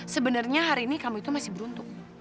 sebenarnya hari ini kamu itu masih beruntung